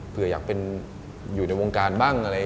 เผื่ออยากอยู่ในวงการบ้าง